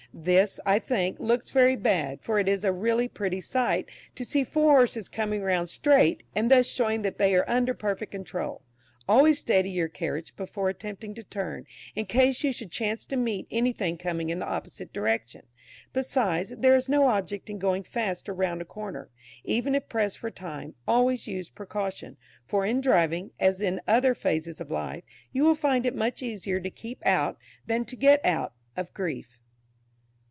This, I think, looks very bad, for it is a really pretty sight, to see four horses coming round straight, and thus showing that they are under perfect control. Always steady your carriage before attempting to turn, in case you should chance to meet anything coming in the opposite direction. Besides, there is no object in going fast round a corner. Even if pressed for time, always use precaution, for in driving, as in other phases of life, you will find it much easier to keep out, than to get out, of grief!